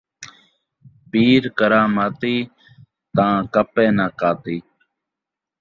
پیر کراماتی، تاں کپے ناں کاتی